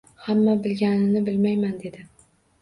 Hamma bilganini bilmayman dedi